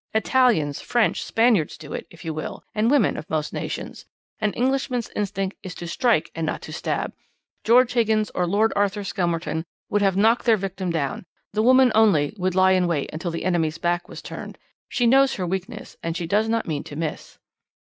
Italians, French, Spaniards do it, if you will, and women of most nations. An Englishman's instinct is to strike and not to stab. George Higgins or Lord Arthur Skelmerton would have knocked their victim down; the woman only would lie in wait till the enemy's back was turned. She knows her weakness, and she does not mean to miss.